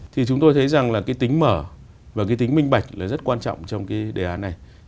thì chúng tôi thấy rằng là cái tính mở và cái tính minh bạch là rất quan trọng trong cái đề án này